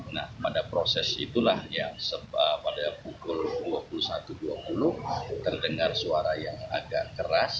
nah pada proses itulah yang pada pukul dua puluh satu dua puluh terdengar suara yang agak keras